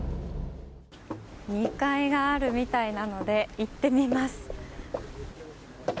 ２階があるみたいなので行ってみます。